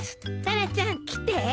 タラちゃん来て。